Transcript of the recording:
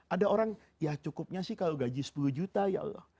ada orang ya cukupnya sih kalau gaji sepuluh juta ya allah